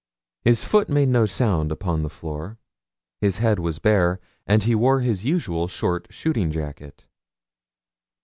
His foot made no sound upon the floor; his head was bare, and he wore his usual short shooting jacket.